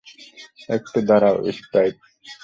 একটু দাঁড়াও, স্প্রাইট।